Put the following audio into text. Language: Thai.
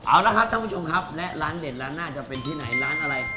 เอาละครับท่านผู้ชมครับและร้านเด่นร้านน่าจะเป็นที่ไหนร้านอะไร